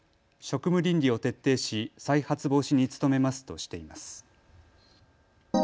職務倫理を徹底し再発防止に努めますとしています。